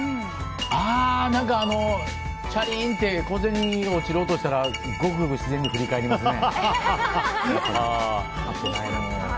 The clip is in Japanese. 何かチャリーンって小銭、落ちる音がしたらごくごく自然に振り返りますね。